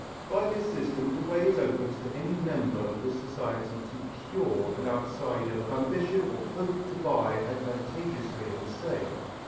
By this system the way is opened to any member of the society to "cure" an outsider of ambition or hope to buy advantageously at a sale.